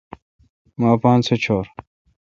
مہ اپاسہ چور۔